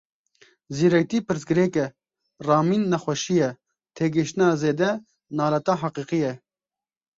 Zîrektî pirsgirêk e, ramîn nexweşî ye, têgihiştina zêde naleta heqîqî ye.